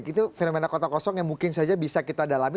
itu fenomena kota kosong yang mungkin saja bisa kita dalami